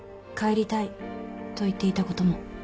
帰りたい」と言っていたことも。